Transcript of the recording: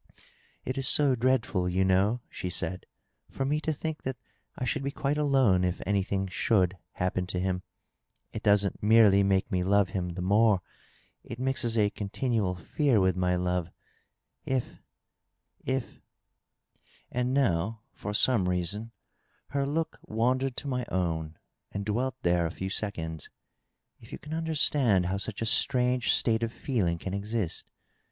" It is so dreadful, you know," die said, " for me to think that I should be quite alone if any thing should happen to him ! It doesn't merely make me love him the more ; it mixes a continual fear with my love, .. if .. if .." (and 568 DOUGLAS DUANE, now, for some reason^ her look wandered to my own and dwelt there a few seoonds) ^^ if you can understand how such a strange state of feeling can exist.''